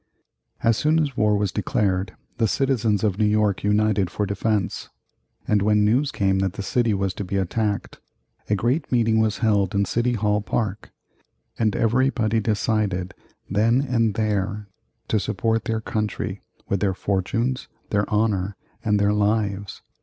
] As soon as war was declared, the citizens of New York united for defence, and when news came that the city was to be attacked, a great meeting was held in City Hall Park, and everybody decided, then and there, to support their country with their fortunes, their honor, and their lives.